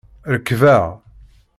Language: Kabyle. Rekbeɣ.